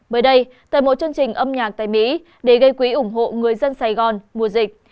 mới đây tại một chương trình âm nhạc tại mỹ để gây quý ủng hộ người dân sài gòn mùa dịch